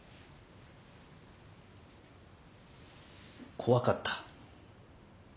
怖かった。